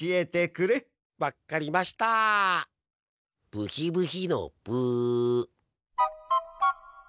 ブヒブヒのブ。